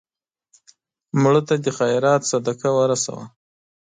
مړه ته د خیرات صدقه ورسوه